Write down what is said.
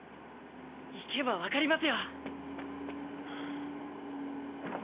行けばわかりますよ！